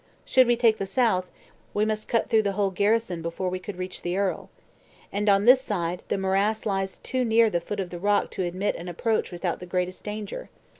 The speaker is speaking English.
Should we take the south, we must cut through the whole garrison before we could reach the earl. And on this side, the morass lies too near the foot of the rock to admit an approach without the greatest danger.